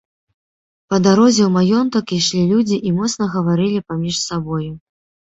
Па дарозе ў маёнтак ішлі людзі і моцна гаварылі паміж сабою.